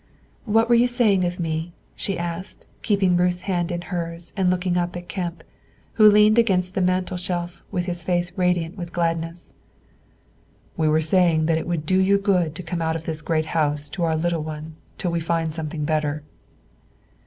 "What were you saying of me?" she asked, keeping Ruth's hand in hers and looking up at Kemp, who leaned against the mantel shelf, his face radiant with gladness. "We were saying that it will do you good to come out of this great house to our little one, till we find something better."